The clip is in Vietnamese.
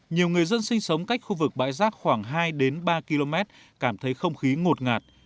nhiều người dân sinh sống cách khu vực bãi rác khoảng hai ba km cảm thấy không khí ngột ngạt